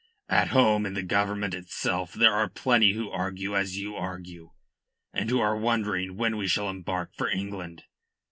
"At home in the Government itself there are plenty who argue as you argue, and who are wondering when we shall embark for England.